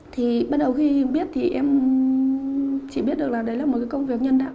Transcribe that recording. thì bắt đầu khi em biết thì em chỉ biết được là đấy là một công việc nhân đạo